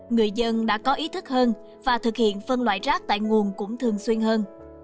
người dân đã có ý thức hơn và thực hiện phân loại rác tại nguồn cũng thường xuyên hơn